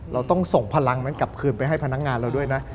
เราต้องส่งพลังนั้นกลับคืนไปให้พนักงานเราด้วยนะ